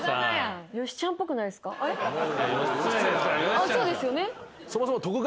そうですよね。